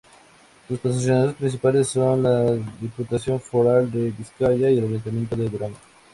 Sus patrocinadores principales son la Diputación Foral de Vizcaya y el Ayuntamiento de Durango.